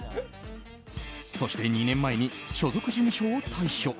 そして２年前に所属事務所を退所。